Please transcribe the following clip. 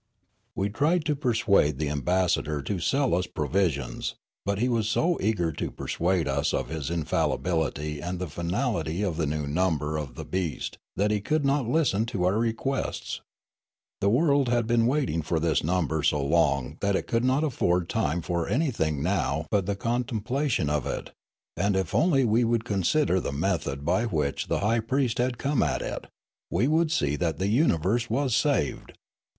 '' We tried to persuade the ambassador to sell us pro visions, but he was so eager to persuade us of his infallibility and the finality of the new number of the beast that he could not listen to our requests. The world had been waiting for this number so long that it could not afford time for anything now but the contem Haciocram 33^ plation of it, and if only we would consider the method by which the high priest had come at it, we wonld see that the universe was saved.